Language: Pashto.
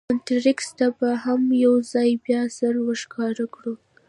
مونټریکس ته به هم یو ځل بیا سر ور ښکاره کړو.